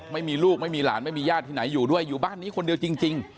ไม่มีลูกไม่มีหลานไม่มีญาติที่ไหนอยู่ด้วยอยู่บ้านนี้คนเดียวจริง